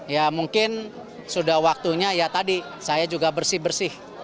ya mungkin sudah waktunya ya tadi saya juga bersih bersih